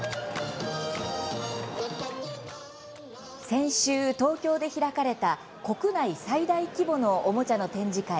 先週、東京で開かれた国内最大規模のおもちゃの展示会